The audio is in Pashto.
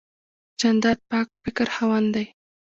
جانداد د پاک فکر خاوند دی.